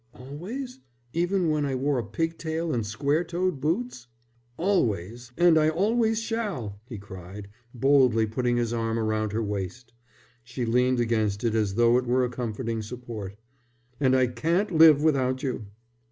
"Always? Even when I wore a pig tail and square toed boots?" "Always! And I always shall," he cried, boldly putting his arm round her waist. She leaned against it as though it were a comforting support. "And I can't live without you."